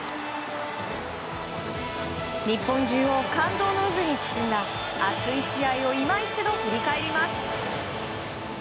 日本中を感動の渦に包んだ熱い試合を今一度振り返ります。